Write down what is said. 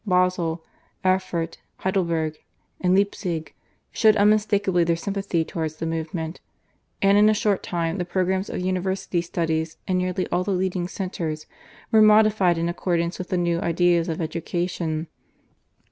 Basle, Erfurt, Heidelburg, and Leipzig showed unmistakably their sympathy towards the movement, and in a short time the programmes of university studies in nearly all the leading centres were modified in accordance with the new ideas of education.